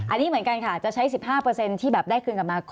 อันนี้เหมือนกันค่ะจะใช้๑๕ที่แบบได้คืนกลับมาก่อน